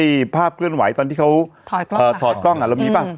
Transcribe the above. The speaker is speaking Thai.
คลิปภาพเตือนไหวตอนที่เขาถอดกล้องน่ะรวมนี้ป่ะ